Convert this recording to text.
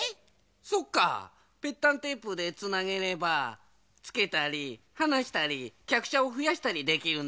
そっかぺったんテープでつなげればつけたりはなしたりきゃくしゃをふやしたりできるんだね。